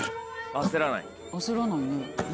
焦らないね。